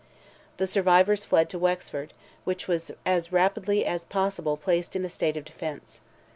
The survivors fled to Wexford, which was as rapidly as possible placed in a state of defence.